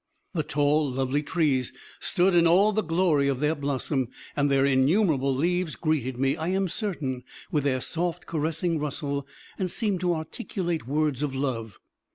The tall, lovely trees stood in all the glory of their blossom, and their innumerable leaves greeted me, I am certain, with their soft, caressing rustle and seemed to articulate words of love.